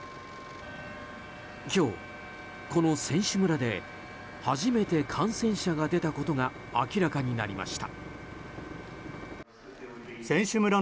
今日、この選手村で初めて感染者が出たことが明らかになりました。